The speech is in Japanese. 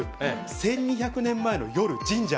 １２００年前の夜、神社。